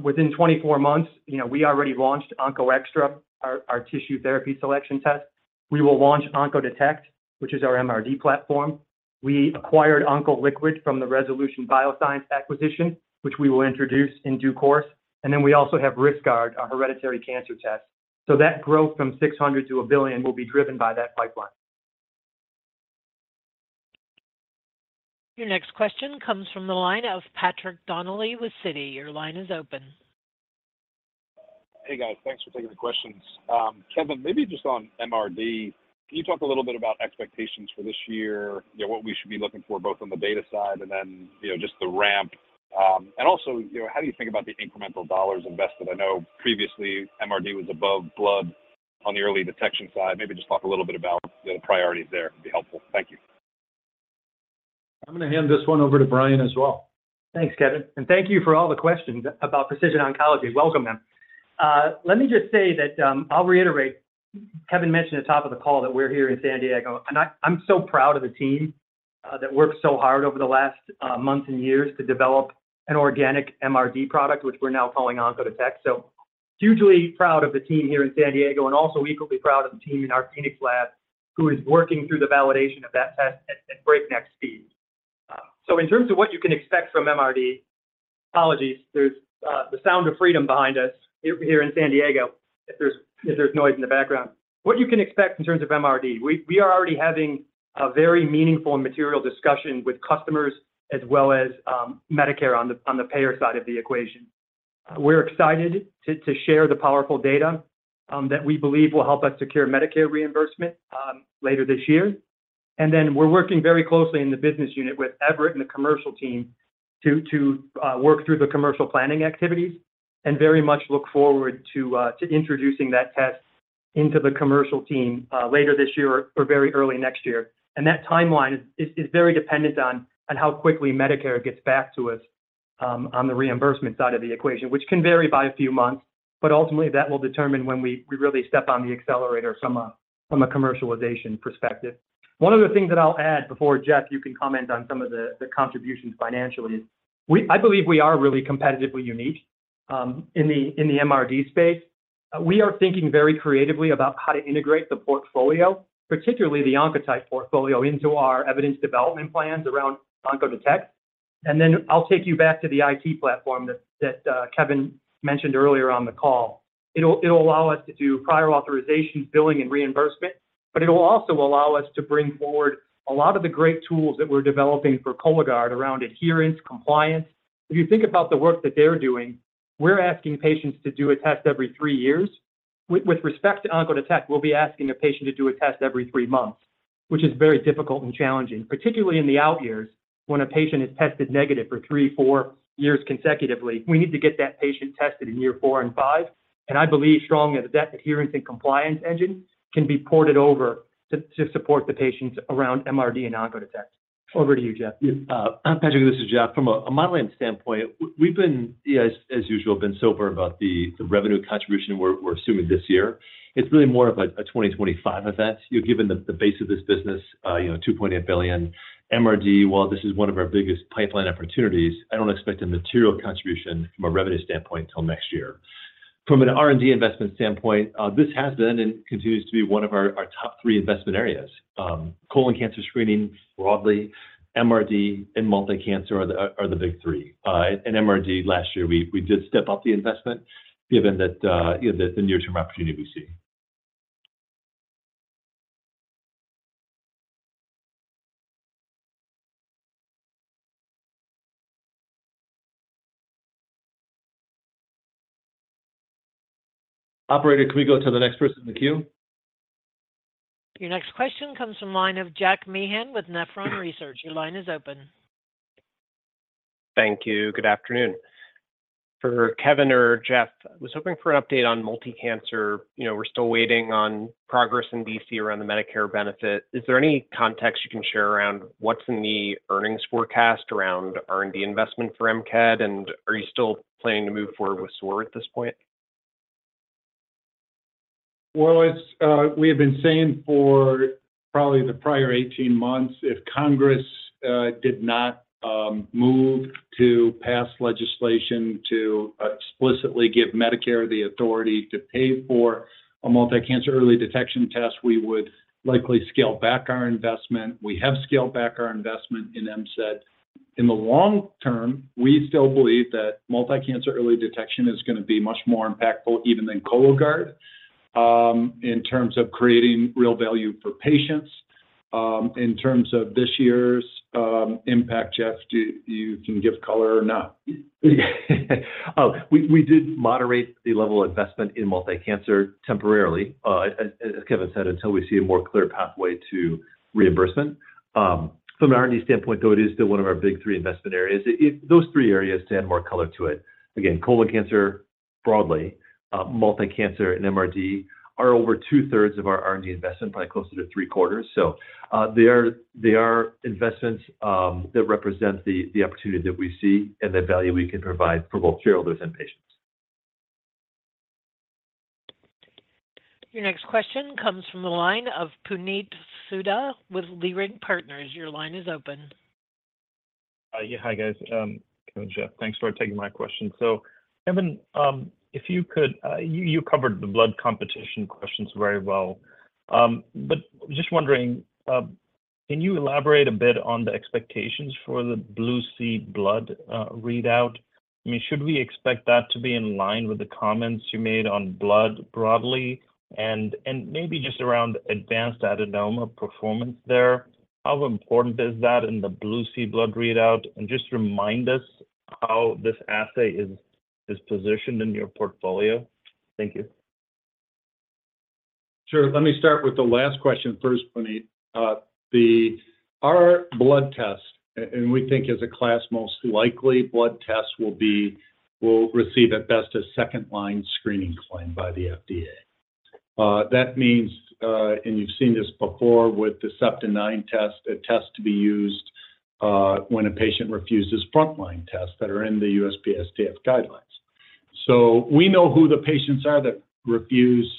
Within 24 months, we already launched OncoExTra, our tissue therapy selection test. We will launch OncoDetect, which is our MRD platform. We acquired OncoLiquid from the Resolution Bioscience acquisition, which we will introduce in due course. Then we also have RiskGuard, our hereditary cancer test. That growth from $600 million to $1 billion will be driven by that pipeline. Your next question comes from the line of Patrick Donnelly with Citi. Your line is open. Hey, guys. Thanks for taking the questions. Kevin, maybe just on MRD, can you talk a little bit about expectations for this year, what we should be looking for both on the data side and then just the ramp? And also, how do you think about the incremental dollars invested? I know previously, MRD was above blood on the early detection side. Maybe just talk a little bit about the priorities there would be helpful. Thank you. I'm going to hand this one over to Brian as well. Thanks, Kevin. Thank you for all the questions about precision oncology. Welcome, then. Let me just say that I'll reiterate. Kevin mentioned at the top of the call that we're here in San Diego. I'm so proud of the team that worked so hard over the last months and years to develop an organic MRD product, which we're now calling OncoDetect. Hugely proud of the team here in San Diego and also equally proud of the team in our Phoenix lab who is working through the validation of that test at breakneck speed. In terms of what you can expect from MRD. Apologies, there's the sound of freedom behind us here in San Diego if there's noise in the background. What you can expect in terms of MRD, we are already having a very meaningful and material discussion with customers as well as Medicare on the payer side of the equation. We're excited to share the powerful data that we believe will help us secure Medicare reimbursement later this year. And then we're working very closely in the business unit with Everett and the commercial team to work through the commercial planning activities and very much look forward to introducing that test into the commercial team later this year or very early next year. And that timeline is very dependent on how quickly Medicare gets back to us on the reimbursement side of the equation, which can vary by a few months. But ultimately, that will determine when we really step on the accelerator from a commercialization perspective. One of the things that I'll add before Jeff, you can comment on some of the contributions financially, is I believe we are really competitively unique in the MRD space. We are thinking very creatively about how to integrate the portfolio, particularly the Oncotype portfolio, into our evidence development plans around OncoDetect. Then I'll take you back to the IT platform that Kevin mentioned earlier on the call. It'll allow us to do prior authorizations, billing, and reimbursement. But it'll also allow us to bring forward a lot of the great tools that we're developing for Cologuard around adherence, compliance. If you think about the work that they're doing, we're asking patients to do a test every three years. With respect to OncoDetect, we'll be asking a patient to do a test every three months, which is very difficult and challenging, particularly in the out years when a patient is tested negative for three, four years consecutively. We need to get that patient tested in year four and five. I believe strongly that that adherence and compliance engine can be ported over to support the patients around MRD and OncoDetect. Over to you, Jeff. Perfect, this is Jeff. From a modeling standpoint, we've been, as usual, sober about the revenue contribution we're assuming this year. It's really more of a 2025 event. Given the base of this business, $2.8 billion, MRD, while this is one of our biggest pipeline opportunities, I don't expect a material contribution from a revenue standpoint until next year. From an R&D investment standpoint, this has been and continues to be one of our top three investment areas. Colon cancer screening broadly, MRD, and multi-cancer are the big three. And MRD, last year, we did step up the investment given the near-term opportunity we see. Operator, can we go to the next person in the queue? Your next question comes from the line of Jack Meehan with Nephron Research. Your line is open. Thank you. Good afternoon. For Kevin or Jeff, I was hoping for an update on multi-cancer. We're still waiting on progress in D.C. around the Medicare benefit. Is there any context you can share around what's in the earnings forecast around R&D investment for MCED? And are you still planning to move forward with SOAR at this point? Well, we have been saying for probably the prior 18 months, if Congress did not move to pass legislation to explicitly give Medicare the authority to pay for a multi-cancer early detection test, we would likely scale back our investment. We have scaled back our investment in MCED. In the long term, we still believe that multi-cancer early detection is going to be much more impactful even than Cologuard in terms of creating real value for patients. In terms of this year's impact, Jeff, you can give color or not. Oh, we did moderate the level of investment in multi-cancer temporarily, as Kevin said, until we see a more clear pathway to reimbursement. From an R&D standpoint, though, it is still one of our big three investment areas. Those three areas to add more color to it. Again, colon cancer broadly, multi-cancer, and MRD are over two-thirds of our R&D investment, probably closer to three-quarters. So they are investments that represent the opportunity that we see and the value we can provide for both stakeholders and patients. Your next question comes from the line of Puneet Souda with Leerink Partners. Your line is open. Hi, guys. Kevin, Jeff, thanks for taking my question. So Kevin, if you could you covered the blood competition questions very well. But just wondering, can you elaborate a bit on the expectations for the BLUE-C blood readout? I mean, should we expect that to be in line with the comments you made on blood broadly and maybe just around advanced adenoma performance there? How important is that in the BLUE-C blood readout? And just remind us how this assay is positioned in your portfolio. Thank you. Sure. Let me start with the last question first, Puneet. Our blood test, and we think as a class, most likely blood test will receive at best a second-line screening claim by the FDA. That means, and you've seen this before with the Septin9 test, a test to be used when a patient refuses front-line tests that are in the USPSTF guidelines. So we know who the patients are that refuse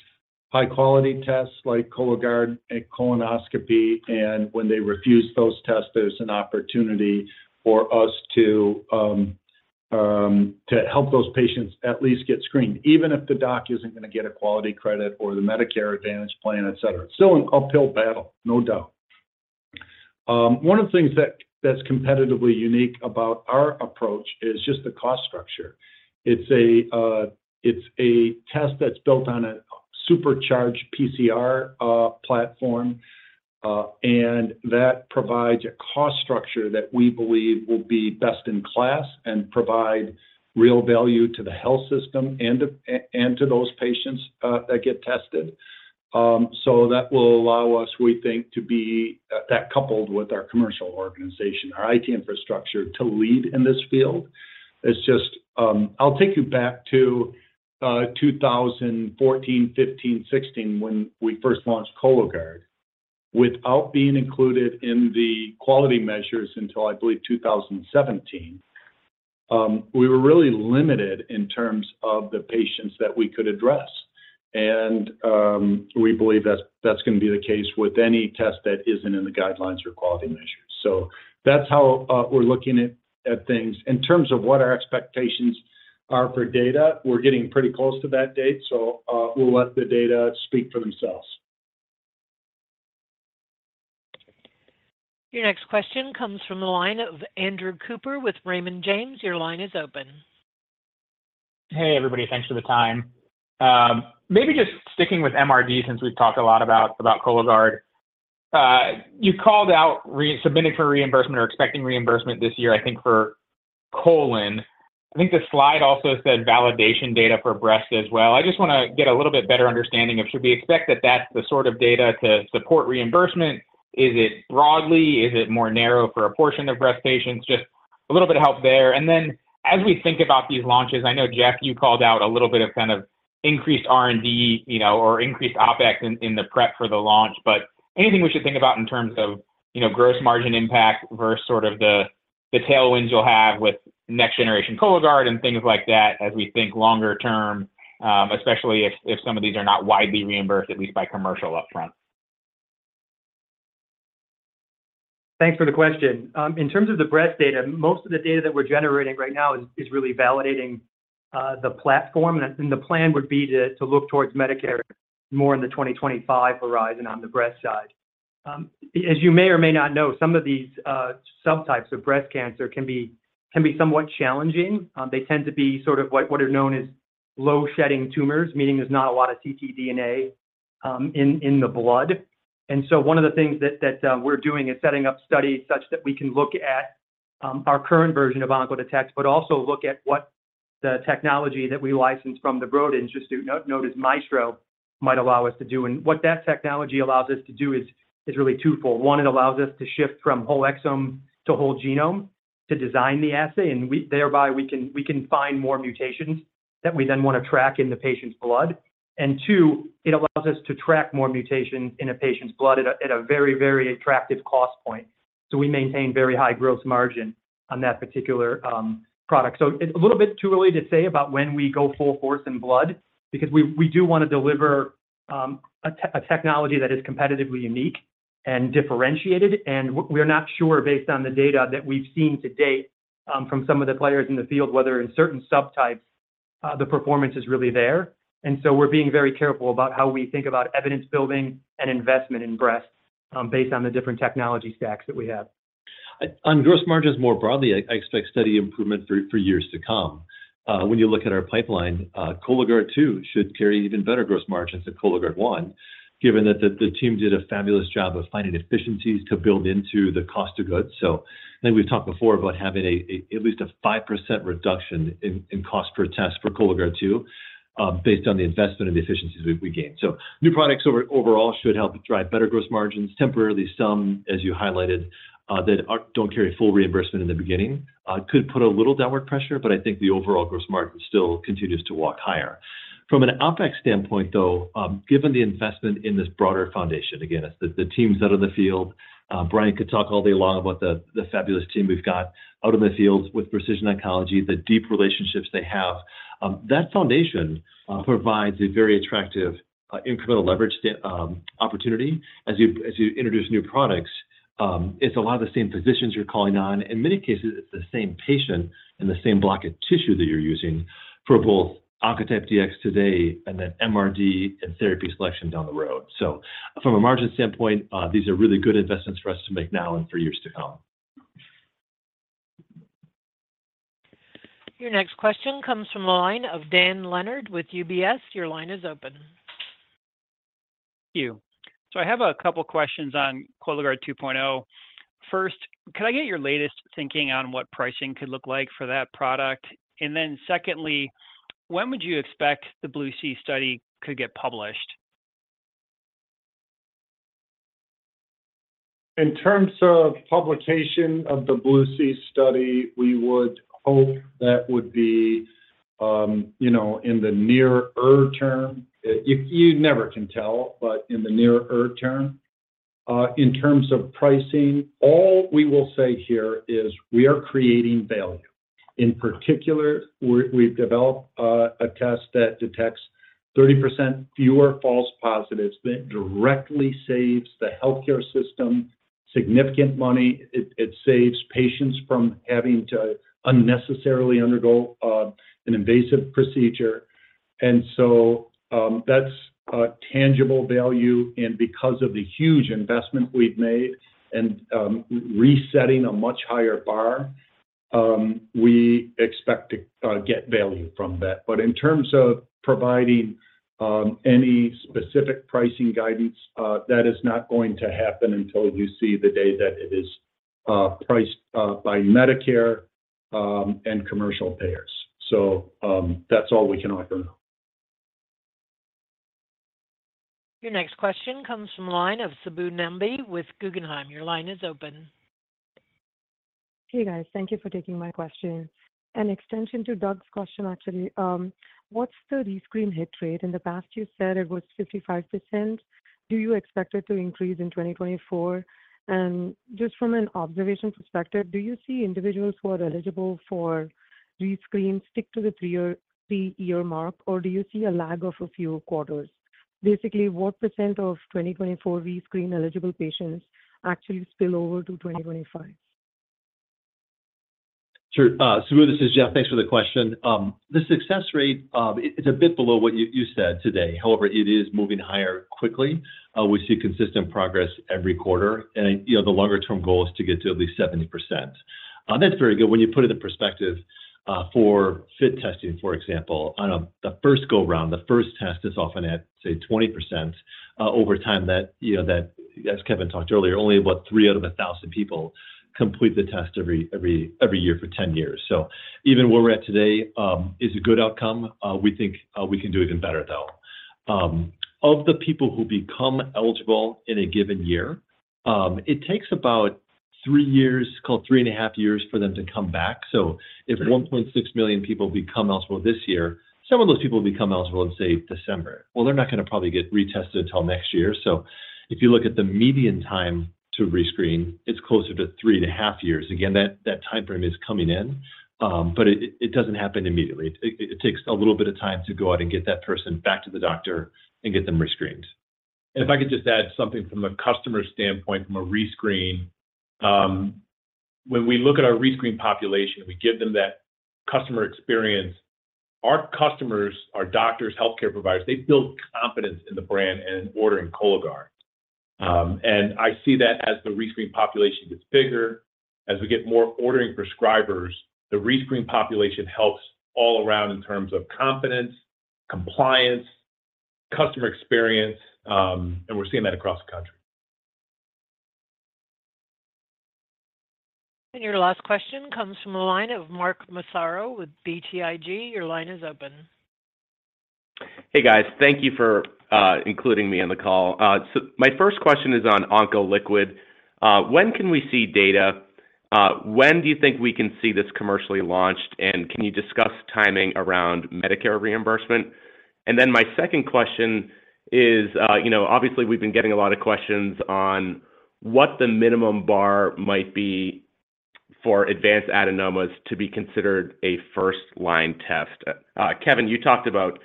high-quality tests like Cologuard colonoscopy. And when they refuse those tests, there's an opportunity for us to help those patients at least get screened, even if the doc isn't going to get a quality credit or the Medicare Advantage plan, etc. It's still an uphill battle, no doubt. One of the things that's competitively unique about our approach is just the cost structure. It's a test that's built on a supercharged PCR platform. That provides a cost structure that we believe will be best in class and provide real value to the health system and to those patients that get tested. So that will allow us, we think, to be that coupled with our commercial organization, our IT infrastructure, to lead in this field. I'll take you back to 2014, 2015, 2016 when we first launched Cologuard. Without being included in the quality measures until, I believe, 2017, we were really limited in terms of the patients that we could address. We believe that's going to be the case with any test that isn't in the guidelines or quality measures. That's how we're looking at things. In terms of what our expectations are for data, we're getting pretty close to that date. We'll let the data speak for themselves. Your next question comes from the line of Andrew Cooper with Raymond James. Your line is open. Hey, everybody. Thanks for the time. Maybe just sticking with MRD since we've talked a lot about Cologuard. You called out submitting for reimbursement or expecting reimbursement this year, I think, for colon. I think the slide also said validation data for breast as well. I just want to get a little bit better understanding of should we expect that that's the sort of data to support reimbursement? Is it broadly? Is it more narrow for a portion of breast patients? Just a little bit of help there. And then as we think about these launches, I know, Jeff, you called out a little bit of kind of increased R&D or increased OpEx in the prep for the launch. But anything we should think about in terms of gross margin impact versus sort of the tailwinds you'll have with next-generation Cologuard and things like that as we think longer term, especially if some of these are not widely reimbursed, at least by commercial upfront? Thanks for the question. In terms of the breast data, most of the data that we're generating right now is really validating the platform. The plan would be to look towards Medicare more in the 2025 horizon on the breast side. As you may or may not know, some of these subtypes of breast cancer can be somewhat challenging. They tend to be sort of what are known as low-shedding tumors, meaning there's not a lot of ctDNA in the blood. And so one of the things that we're doing is setting up studies such that we can look at our current version of OncoDetect, but also look at what the technology that we license from the Broad Institute - known as MAESTRO - might allow us to do. What that technology allows us to do is really twofold. One, it allows us to shift from whole exome to whole genome to design the assay. And thereby, we can find more mutations that we then want to track in the patient's blood. And two, it allows us to track more mutations in a patient's blood at a very, very attractive cost point. So we maintain very high gross margin on that particular product. So a little bit too early to say about when we go full force in blood because we do want to deliver a technology that is competitively unique and differentiated. And we're not sure, based on the data that we've seen to date from some of the players in the field, whether in certain subtypes, the performance is really there. And so we're being very careful about how we think about evidence building and investment in breast based on the different technology stacks that we have. On gross margins more broadly, I expect steady improvement for years to come. When you look at our pipeline, Cologuard 2 should carry even better gross margins than Cologuard 1, given that the team did a fabulous job of finding efficiencies to build into the cost of goods. So I think we've talked before about having at least a 5% reduction in cost per test for Cologuard 2 based on the investment and the efficiencies we gain. So new products overall should help drive better gross margins, temporarily some, as you highlighted, that don't carry full reimbursement in the beginning. It could put a little downward pressure, but I think the overall gross margin still continues to walk higher. From an OpEx standpoint, though, given the investment in this broader foundation—again, it's the teams out in the field—Brian could talk all day long about the fabulous team we've got out in the field with Precision Oncology, the deep relationships they have. That foundation provides a very attractive incremental leverage opportunity. As you introduce new products, it's a lot of the same physicians you're calling on. In many cases, it's the same patient and the same block of tissue that you're using for both Oncotype DX today and then MRD and therapy selection down the road. So from a margin standpoint, these are really good investments for us to make now and for years to come. Your next question comes from the line of Dan Leonard with UBS. Your line is open. Thank you. So I have a couple of questions on Cologuard 2.0. First, could I get your latest thinking on what pricing could look like for that product? And then secondly, when would you expect the BLUE-C study could get published? In terms of publication of the BLUE-C study, we would hope that would be in the near term. You never can tell, but in the near term. In terms of pricing, all we will say here is we are creating value. In particular, we've developed a test that detects 30% fewer false positives. That directly saves the healthcare system significant money. It saves patients from having to unnecessarily undergo an invasive procedure. And so that's tangible value. And because of the huge investment we've made and resetting a much higher bar, we expect to get value from that. But in terms of providing any specific pricing guidance, that is not going to happen until you see the day that it is priced by Medicare and commercial payers. So that's all we can offer now. Your next question comes from the line of Subbu Nambi with Guggenheim. Your line is open. Hey, guys. Thank you for taking my question. An extension to Doug's question, actually. What's the rescreen hit rate? In the past, you said it was 55%. Do you expect it to increase in 2024? And just from an observation perspective, do you see individuals who are eligible for rescreen stick to the three-year mark, or do you see a lag of a few quarters? Basically, what percent of 2024 rescreen-eligible patients actually spill over to 2025? Sure. Subbu, this is Jeff. Thanks for the question. The success rate, it's a bit below what you said today. However, it is moving higher quickly. We see consistent progress every quarter. The longer-term goal is to get to at least 70%. That's very good. When you put it in perspective, for FIT testing, for example, on the first go-round, the first test is often at, say, 20%. Over time, as Kevin talked earlier, only about 3 out of 1,000 people complete the test every year for 10 years. Even where we're at today is a good outcome. We think we can do even better, though. Of the people who become eligible in a given year, it takes about 3 years called 3 and a half years for them to come back. So if 1.6 million people become eligible this year, some of those people become eligible in, say, December. Well, they're not going to probably get retested until next year. So if you look at the median time to rescreen, it's closer to three and a half years. Again, that time frame is coming in, but it doesn't happen immediately. It takes a little bit of time to go out and get that person back to the doctor and get them rescreened. If I could just add something from a customer standpoint, from a rescreen, when we look at our rescreen population, we give them that customer experience. Our customers, our doctors, healthcare providers, they build confidence in the brand and in ordering Cologuard. I see that as the rescreen population gets bigger, as we get more ordering prescribers, the rescreen population helps all around in terms of confidence, compliance, customer experience. We're seeing that across the country. Your last question comes from the line of Mark Massaro with BTIG. Your line is open. Hey, guys. Thank you for including me in the call. So my first question is on OncoLiquid. When can we see data? When do you think we can see this commercially launched? And can you discuss timing around Medicare reimbursement? And then my second question is, obviously, we've been getting a lot of questions on what the minimum bar might be for advanced adenomas to be considered a first-line test. Kevin, you talked about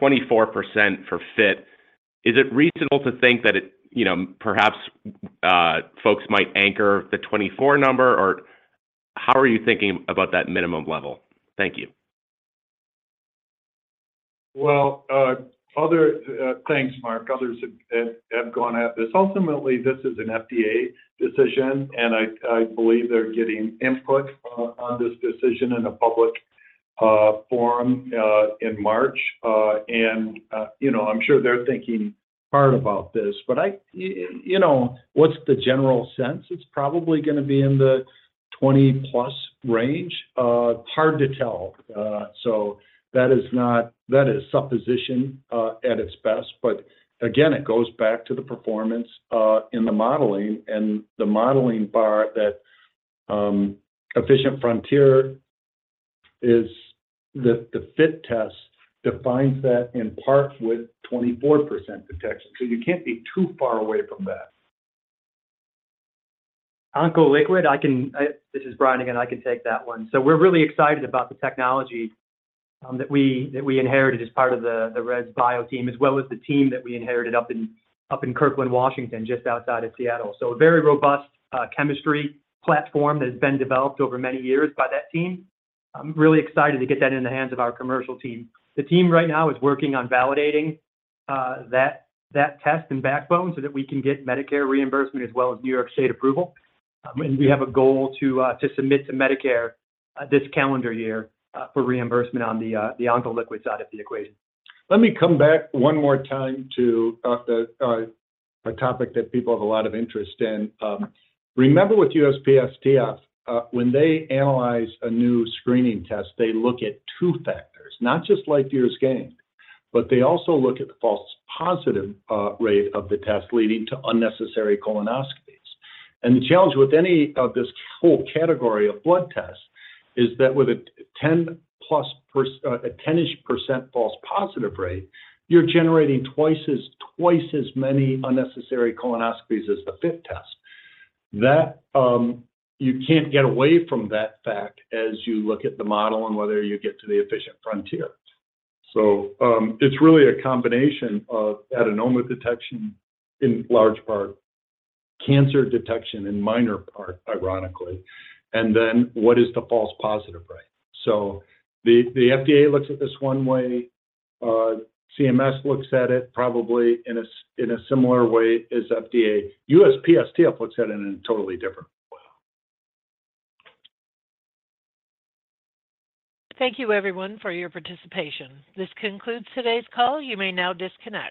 24% for FIT. Is it reasonable to think that perhaps folks might anchor the 24 number, or how are you thinking about that minimum level? Thank you. Well, thanks, Mark. Others have gone at this. Ultimately, this is an FDA decision, and I believe they're getting input on this decision in a public forum in March. I'm sure they're thinking hard about this. But what's the general sense? It's probably going to be in the 20+ range. Hard to tell. So that is supposition at its best. But again, it goes back to the performance in the modeling. And the modeling bar that efficient frontier, the FIT test, defines that in part with 24% detection. So you can't be too far away from that. OncoLiquid, this is Brian again. I can take that one. So we're really excited about the technology that we inherited as part of the Resolution Bioscience team, as well as the team that we inherited up in Kirkland, Washington, just outside of Seattle. So a very robust chemistry platform that has been developed over many years by that team. Really excited to get that in the hands of our commercial team. The team right now is working on validating that test and backbone so that we can get Medicare reimbursement as well as New York State approval. And we have a goal to submit to Medicare this calendar year for reimbursement on the OncoLiquid side of the equation. Let me come back one more time to a topic that people have a lot of interest in. Remember, with USPSTF, when they analyze a new screening test, they look at two factors, not just life years gained, but they also look at the false positive rate of the test leading to unnecessary colonoscopies. The challenge with any of this whole category of blood tests is that with a 10-ish% false positive rate, you're generating twice as many unnecessary colonoscopies as the FIT test. You can't get away from that fact as you look at the model and whether you get to the efficient frontier. It's really a combination of adenoma detection in large part, cancer detection in minor part, ironically, and then what is the false positive rate. The FDA looks at this one way. CMS looks at it probably in a similar way as FDA. USPSTF looks at it in a totally different way. Thank you, everyone, for your participation. This concludes today's call. You may now disconnect.